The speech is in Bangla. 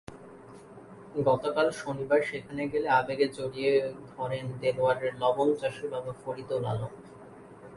গতকাল শনিবার সেখানে গেলে আবেগে জড়িয়ে ধরেন দেলোয়ারের লবণ চাষি বাবা ফরিদুল আলম।